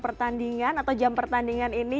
pertandingan atau jam pertandingan ini